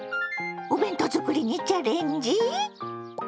お弁当作りにチャレンジ？